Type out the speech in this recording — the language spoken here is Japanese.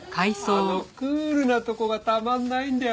あのクールなとこがたまらないんだよ